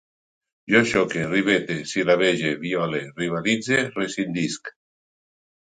Jo xoque, rivete, sil·labege, viole, rivalitze, rescindisc